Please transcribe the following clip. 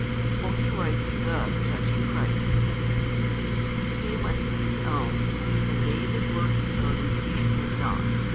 For he writes thus touching Christ: He came unto His own, and they that were His own received Him not.